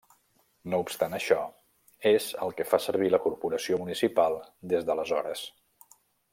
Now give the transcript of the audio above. No obstant això, és el que fa servir la corporació municipal des d'aleshores.